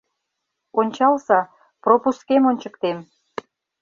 Ончалза, — пропускем ончыктем.